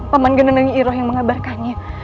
paman genendang iroh yang mengabarkannya